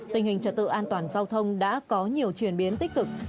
tình hình trật tự an toàn giao thông đã có nhiều chuyển biến tích cực